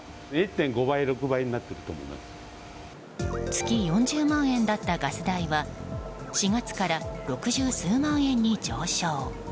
月４０万円だったガス代は４月から六十数万円に上昇。